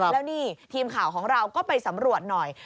แล้วนี่ทีมข่าวของเราก็ไปสำรวจหน่อย